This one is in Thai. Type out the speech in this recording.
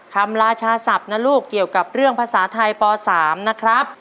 ราชาศัพท์นะลูกเกี่ยวกับเรื่องภาษาไทยป๓นะครับ